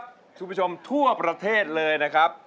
สวัสดีนะครับทุกผู้ชมทั่วประเทศเลยนะครับ